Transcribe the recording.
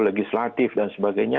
legislatif dan sebagainya